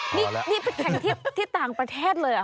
นี่ไปแข่งที่ต่างประเทศเลยเหรอ